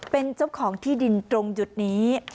เป็นเจ้าของที่ดินตรงจุดนี้